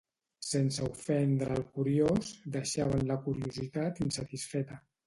Sense ofendre al curiós, deixaven la curiositat insatisfeta.